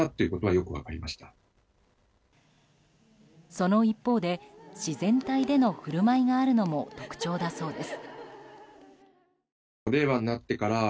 その一方で自然体での振る舞いがあるのも特徴だそうです。